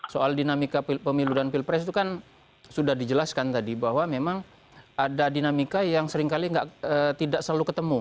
soal dinamika pemilu dan pilpres itu kan sudah dijelaskan tadi bahwa memang ada dinamika yang seringkali tidak selalu ketemu